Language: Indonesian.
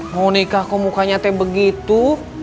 mau nikah kok mukanya begitu